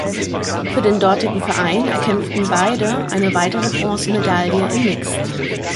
Für den dortigen Verein erkämpften beide eine weitere Bronzemedaille im Mixed.